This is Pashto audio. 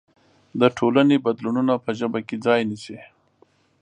د ټولنې بدلونونه په ژبه کې ځای نيسي.